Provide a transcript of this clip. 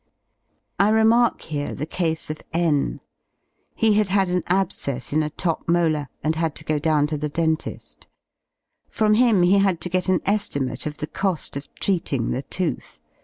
I remark here the case of N : he had had an abscess in a top molar and had to go down to the dentil. From him he had to get an estimate of the co^ of treating the tooth.